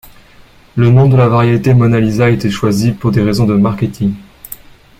Le nom de la variété, 'Monalisa' a été choisi pour des raisons de marketing.